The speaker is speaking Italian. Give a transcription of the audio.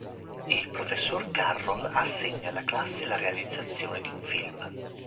Il professor Carroll assegna alla classe la realizzazione di un film.